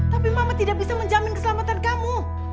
tapi mama tidak bisa menjamin keselamatan kamu